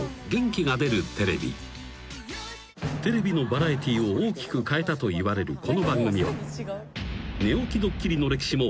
［テレビのバラエティーを大きく変えたといわれるこの番組は］